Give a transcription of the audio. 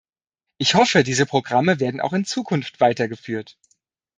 Ich hoffe, diese Programme werden auch in Zukunft weitergeführt.